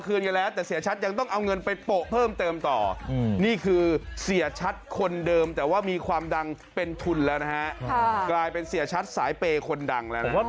กลายเป็นเสียชัดสายเปยคนดัง